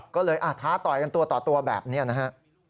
ก็เลยท้าต่อยกันตัวต่อตัวแบบนี้นะฮะ